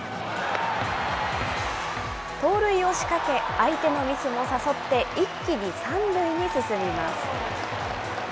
盗塁を仕掛け、相手のミスも誘って一気に３塁に進みます。